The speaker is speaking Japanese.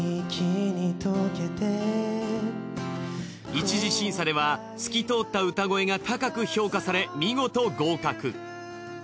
一次審査では透き通った歌声が高く評価され見事合格。